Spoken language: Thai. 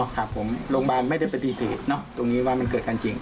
ครับผมโรงพยาบาลไม่ได้ปฏิเสธตรงนี้ว่ามันเกิดกันจริง